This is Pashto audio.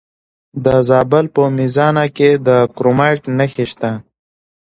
د زابل په میزانه کې د کرومایټ نښې شته.